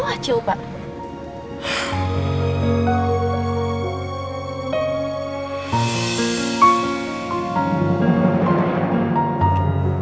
itu acil pak